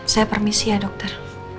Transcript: saya permisi ya dokter